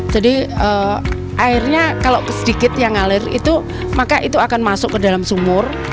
jadi airnya kalau sedikit yang ngalir maka itu akan masuk ke dalam sumur